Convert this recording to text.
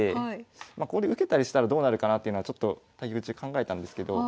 まあここで受けたりしたらどうなるかなっていうのはちょっと対局中考えたんですけど。